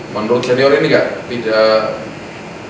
menurut senior ini nggak